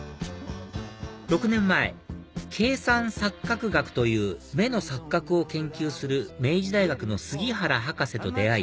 ６年前計算錯覚学という目の錯覚を研究する明治大学の杉原博士と出会い